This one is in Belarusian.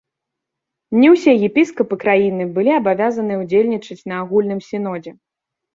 Не ўсе епіскапы краіны былі абавязаныя ўдзельнічаць на агульным сінодзе.